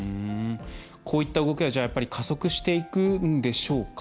こういった動きがやっぱり加速していくんでしょうか？